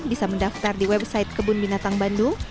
bisa mendaftar di website kebun binatang bandung